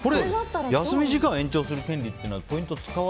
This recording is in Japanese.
休み時間延長する権利ってポイント